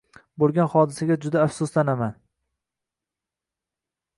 Bo’lgan hodisaga juda afsuslanaman.